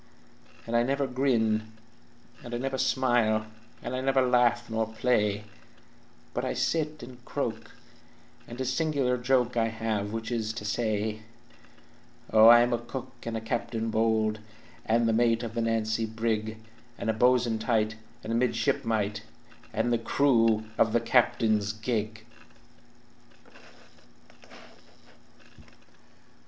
"And I never grin, and I never smile, And I never larf nor play, But I sit and croak, and a single joke I have which is to say: "Oh, I am a cook and a captain bold, And the mate of the Nancy brig, And a bo'sun tight, and a midshipmite, And the crew of the captain's gig!"